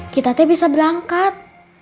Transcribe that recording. kita teh bisa berangkat